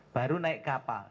baru naik kapal